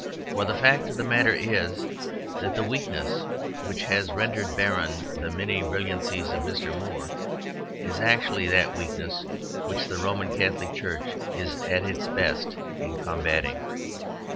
For the fact of the matter is, that the weakness which has rendered barren the many brilliancies of Mr. Moore is actually that weakness which the Roman Catholic Church is at its best in combating.